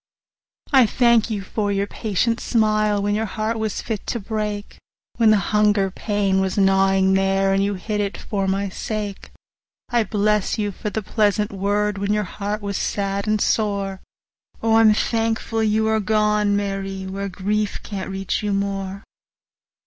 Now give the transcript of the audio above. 40 I thank you for the patient smile When your heart was fit to break, When the hunger pain was gnawin' there, And you hid it, for my sake! I bless you for the pleasant word, 45 When your heart was sad and sore— O, I'm thankful you are gone, Mary, Where grief can't reach you more!